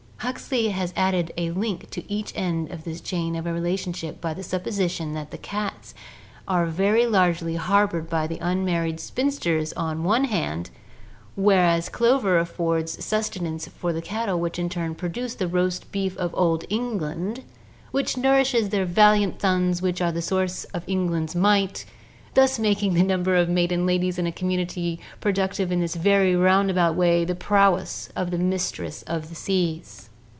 Huxley has added a link to each end of this chain of relationship by the supposition that the cats are very largely harbored by the unmarried spinsters on the one hand, whereas the clover affords sustenance for the cattle which in turn produce the "roast beef of Old England" which nourishes her valiant sons which are the source of England's might, thus making the number of maiden ladies in a community productive in this very roundabout way of the prowess of the "Mistress of the Seas."